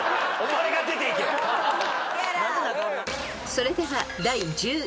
［それでは第１１問］